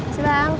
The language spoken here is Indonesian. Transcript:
terima kasih bang